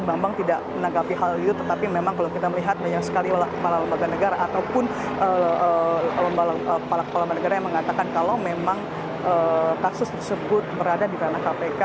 bambang tidak menanggapi hal itu tetapi memang kalau kita melihat banyak sekali kepala lembaga negara ataupun kepala kepala negara yang mengatakan kalau memang kasus tersebut berada di ranah kpk